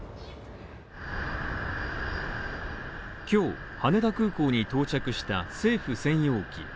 今日、羽田空港に到着した政府専用機。